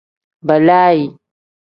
Balaayi.